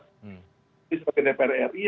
jadi sebagai dpr ri